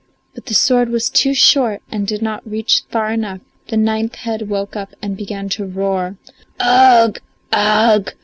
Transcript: But the sword was too short and did not reach far enough; the ninth head woke up and began to roar. "Ugh! Ugh!